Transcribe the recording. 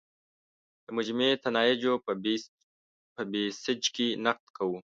د مجموعي نتایجو په بیسج کې نقد کوو.